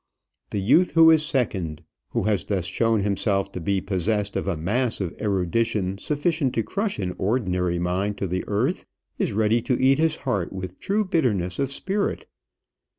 The youth who is second, who has thus shown himself to be possessed of a mass of erudition sufficient to crush an ordinary mind to the earth, is ready to eat his heart with true bitterness of spirit.